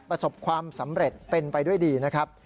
ประสบความสำเร็จเป็นไปด้วยดีนะครับ